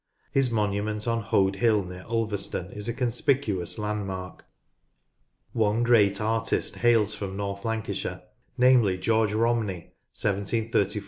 His monument on Hoad Hill near Ulverston is a con spicuous landmark. One great artist hails from North Lancashire, namely George Romney (1 734 1 802).